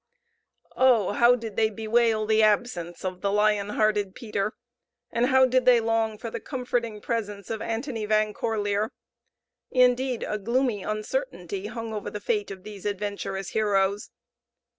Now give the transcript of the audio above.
Oh, how did they bewail the absence of the lion hearted Peter! and how did they long for the comforting presence of Antony Van Corlear! Indeed a gloomy uncertainty hung over the fate of these adventurous heroes.